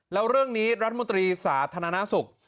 แล้วเรื่องนี้รัฐมนตรีสาธารณสุข